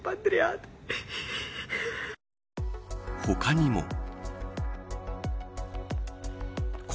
他にも。